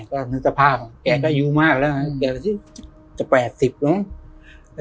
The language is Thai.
ก็มีสภาพแกก็อายุมากแล้วแกจะแปดสิบเนอะ